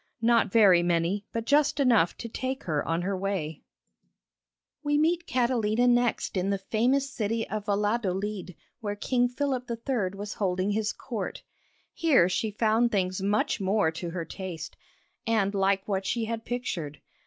Not very many, but just enough to take her on her way. We meet Catalina next in the famous city of Valladolid, where King Philip III. was holding his court. Here she found things much more to her taste, and like what she had pictured.